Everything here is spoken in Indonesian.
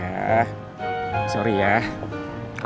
kalau soalnya gue mau ke rumah gue gak bisa ke rumah gue ya